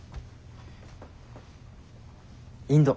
インド。